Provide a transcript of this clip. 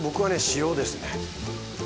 塩ですね。